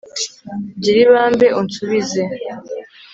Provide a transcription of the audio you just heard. gira ibambe, unsubize